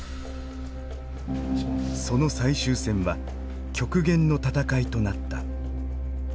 その最終戦は極限の戦いとなった。